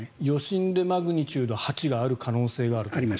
余震でマグニチュード８がある可能性があると。